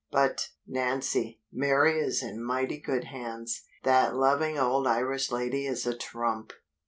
But, Nancy, Mary is in mighty good hands. That loving old Irish lady is a trump!"